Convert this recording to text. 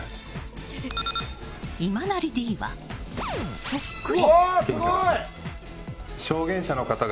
今成Ｄは、そっくり！